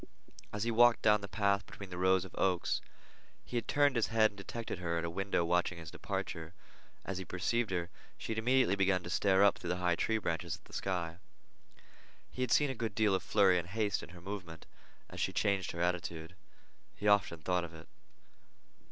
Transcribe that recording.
As he had walked down the path between the rows of oaks, he had turned his head and detected her at a window watching his departure. As he perceived her, she had immediately begun to stare up through the high tree branches at the sky. He had seen a good deal of flurry and haste in her movement as she changed her attitude. He often thought of it.